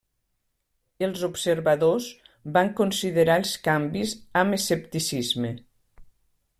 Els observadors van considerar els canvis amb escepticisme.